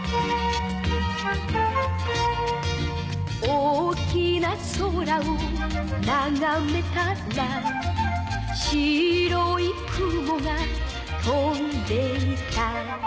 「大きな空をながめたら」「白い雲が飛んでいた」